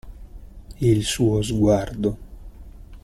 Il suo sguardo.